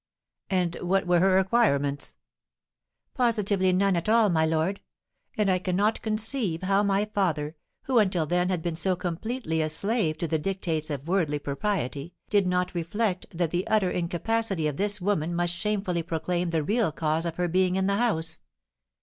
"And what were her acquirements?" "Positively none at all, my lord; and I cannot conceive how my father, who until then had been so completely a slave to the dictates of worldly propriety, did not reflect that the utter incapacity of this woman must shamefully proclaim the real cause of her being in the house.